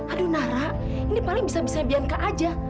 aduh nara ini paling bisa bisa bianka aja